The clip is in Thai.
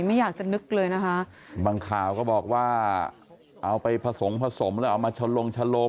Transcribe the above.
ไม่อยากจะนึกเลยนะคะบางข่าวก็บอกว่าเอาไปผสมผสมแล้วเอามาชะลงชะลม